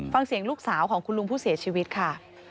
ฟังเสียงลูกสาวของคุณลุงผู้เสียชีวิตค่ะ